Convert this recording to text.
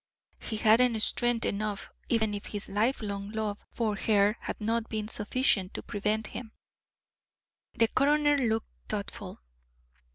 He hadn't strength enough, even if his lifelong love for her had not been sufficient to prevent him." The coroner looked thoughtful.